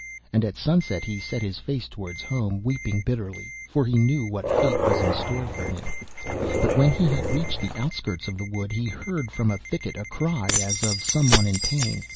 And at sunset he set his face towards home, weeping bitterly, for he knew what fate was in store for him. But when he had reached the outskirts of the wood, he heard from a thicket a cry as of some one in pain.